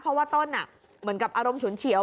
เพราะว่าต้นเหมือนกับอารมณ์ฉุนเฉียว